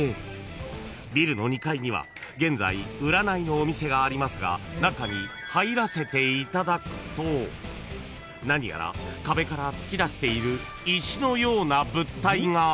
［ビルの２階には現在占いのお店がありますが中に入らせていただくと何やら壁から突き出している石のような物体が］